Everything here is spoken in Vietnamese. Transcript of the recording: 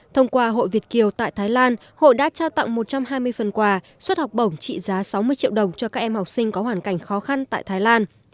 thông qua hội việt kiều tại thái lan hội đã trao tặng một trăm hai mươi phần quà suất học bổng trị giá sáu mươi triệu đồng cho các em học sinh có hoàn cảnh khó khăn tại thái lan